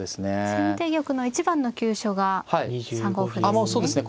先手玉の一番の急所が３五歩ですね。